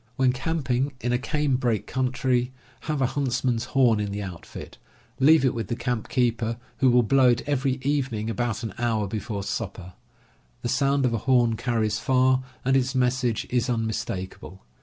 When camping in a canebrake country have a hunts man's horn in the outfit. Leave it with the camp „ keeper, who will blow it every evening about an hour before supper. The sound of a horn carries far, and its message is unmis takable.